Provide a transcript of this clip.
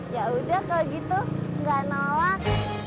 yaudah kalau gitu gak nolak